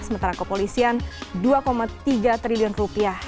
sementara kepolisian dua tiga triliun rupiah